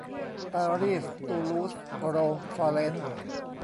ปารีสตูลูสโรมฟอร์เร้น